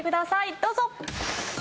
どうぞ。